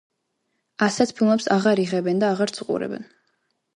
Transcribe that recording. ასეთ ფილმებს აღარ იღებენ და აღარც უყურებენ.